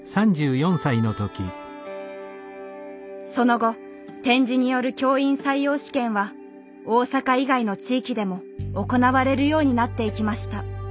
その後点字による教員採用試験は大阪以外の地域でも行われるようになっていきました。